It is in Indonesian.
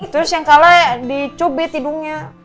terus yang kalah dicubit hidungnya